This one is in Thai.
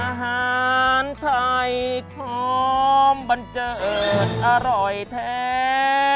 อาหารไทยพร้อมบันเจิดอร่อยแท้